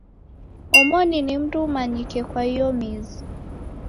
Omoni ni mndu umanyikie kwa iyo mizi.